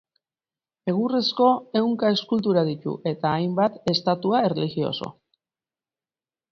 Egurrezko ehunka eskultura ditu, eta hainbat estatua erlijioso.